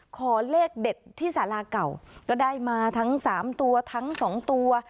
ขอเลขเด็ดที่สาราเก่าก็ได้มาทั้ง๓ตัวทั้งสองตัว